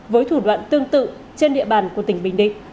với thủ đoạn tương tự trên địa bàn của tỉnh bình định